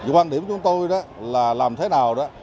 quan điểm chúng tôi là làm thế nào